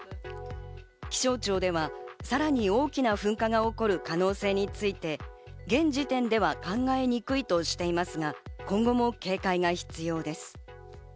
気象庁ではさらに大きな噴火が起こる可能性について、現時点では考えにくいとしていますが、今後も警戒が必要です。